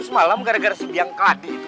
semalam gara gara si biang kadi